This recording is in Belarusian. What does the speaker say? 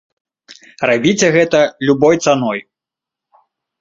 Рабіце гэта любой цаной.